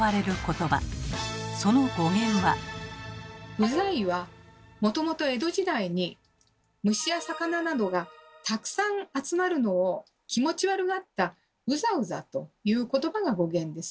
「うざい」はもともと江戸時代に虫や魚などがたくさん集まるのを気持ち悪がった「うざうざ」という言葉が語源です。